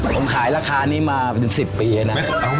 ผมขายราคานี้มาจน๑๐ปีเลยนะ